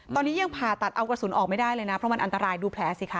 ตอนนี้ยังผ่าตัดเอากระสุนออกไม่ได้เลยนะเพราะมันอันตรายดูแผลสิคะ